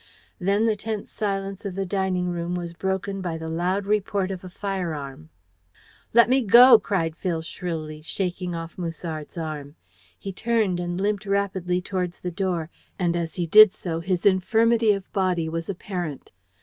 Then the tense silence of the dining room was broken by the loud report of a fire arm. "Let me go!" cried Phil shrilly, shaking off Musard's arm. He turned and limped rapidly towards the door, and as he did so his infirmity of body was apparent.